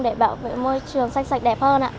để bảo vệ môi trường xanh sạch đẹp hơn